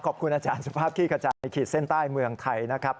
ขอบคุณอาจารย์สุภาพขี้กระจายในขีดเส้นใต้เมืองไทยนะครับ